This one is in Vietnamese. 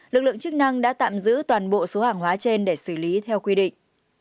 lực lượng chức năng đã tạm giữ toàn bộ số hàng hóa trên để xử lý theo quy định